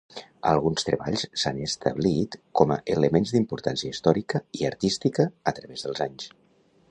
Alguns treballs s'han establit com a elements d'importància històrica i artística a través dels anys.